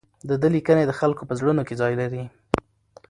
د ده لیکنې د خلکو په زړونو کې ځای لري.